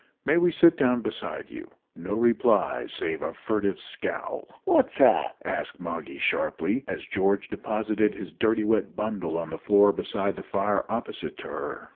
May we sit down beside you?" No reply, save a furtive scowl. "What's that?" asked Moggy, sharply, as George deposited his dirty wet bundle on the floor beside the fire opposite to her.